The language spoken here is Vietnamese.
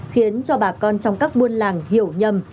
khiến cho bà con trong các buôn làng hiểu nhầm